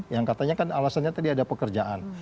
yang katanya kan alasannya tadi ada pekerjaan